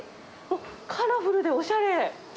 カラフルでおしゃれ。